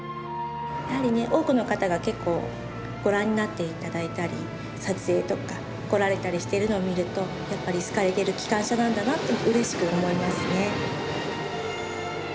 やはりね多くの方が結構ご覧になっていただいたり撮影とか来られたりしているのを見るとやっぱり好かれてる機関車なんだなってうれしく思いますね。